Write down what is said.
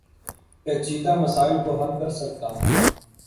پیچیدہ مسائل کو حل کر سکتا ہوں